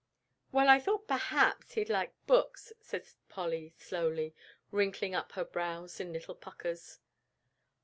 "Why, I thought perhaps he'd like books," said Polly, slowly, wrinkling up her brows in little puckers.